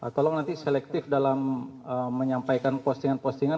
tolong nanti selektif dalam menyampaikan postingan postingan